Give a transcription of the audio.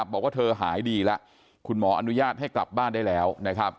บอกว่าเธอหายดีแล้วคุณหมออนุญาตให้กลับบ้านได้แล้ว